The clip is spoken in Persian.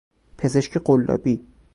پزشک قلابی